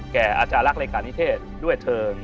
แก่อาจารักษ์รายการนิเทศด้วยเถิง